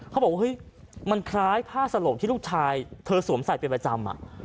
เขาบอกเฮ้ยมันคล้ายผ้าสโหลกที่ลูกชายเธอสวมใส่เป็นประจำ